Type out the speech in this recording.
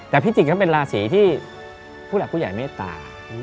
แต่พิจิกก็เป็นราศีที่ผู้หลักผู้ใหญ่เมตตา